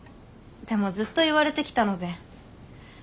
でもずっと言われてきたので。